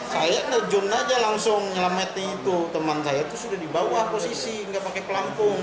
saya nejun aja langsung nyelamatin itu teman saya itu sudah di bawah posisi gak pake pelanggung